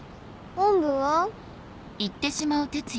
おんぶは？